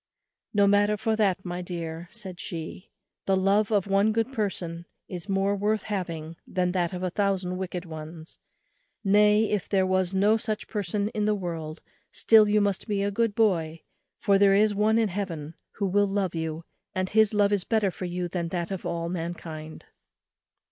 "No matter for that, my dear," said she; "the love of one good person is more worth having than that of a thousand wicked ones; nay, if there was no such person in the world, still you must be a good boy; for there is one in Heaven who will love you, and his love is better for you than that of all mankind."